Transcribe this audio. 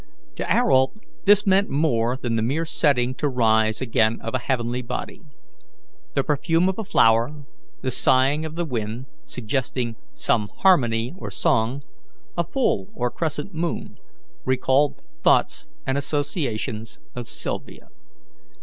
To Ayrault this meant more than the mere setting to rise again of a heavenly body. The perfume of a flower, the sighing of the wind, suggesting some harmony or song, a full or crescent moon, recalled thoughts and associations of Sylvia.